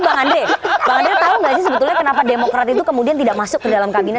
bang andre bang andre tahu nggak sih sebetulnya kenapa demokrat itu kemudian tidak masuk ke dalam kabinet